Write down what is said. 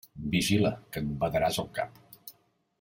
Vigila, que et badaràs el cap!